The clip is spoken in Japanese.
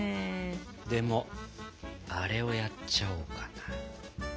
でもあれをやっちゃおうかな。